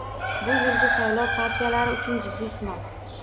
Bu yilgi saylov partiyalar uchun jiddiy sinov